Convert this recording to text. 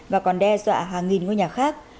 và còn đe dọa hàng nghìn người nhà khác